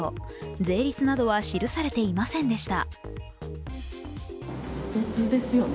税率などは記されていませんでした。